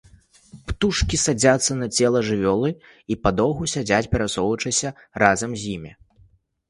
Птушкі садзяцца на цела жывёлы і падоўгу сядзяць, перасоўваючыся разам з ім.